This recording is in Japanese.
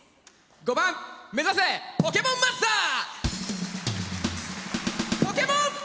５番「めざせポケモンマスター」。